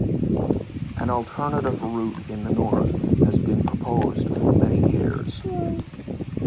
An alternative route in the north has been proposed for many years.